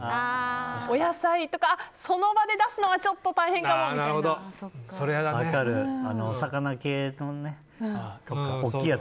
お野菜とか、その場で出すのはちょっと大変かもみたいな。